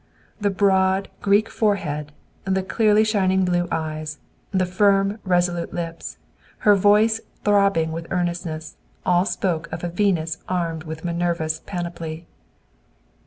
The broad, Greek forehead, the clearly shining blue eyes, the firm, resolute lips, her voice throbbing with earnestness, all spoke of a Venus armed with Minerva's panoply.